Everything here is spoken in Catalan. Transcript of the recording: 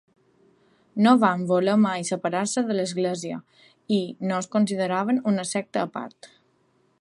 No van voler mai separar-se de l'Església, i no es consideraven una secta a part.